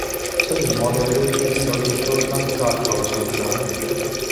雖然我哋呢啲小店都掙扎求存緊